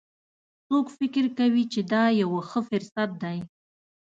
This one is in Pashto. څوک فکر کوي چې دا یوه ښه فرصت ده